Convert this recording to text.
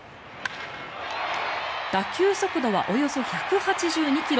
打球速度はおよそ１８２ｋｍ。